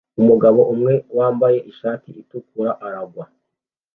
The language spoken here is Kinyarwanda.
Umugabo umwe wambaye ishati itukura aragwa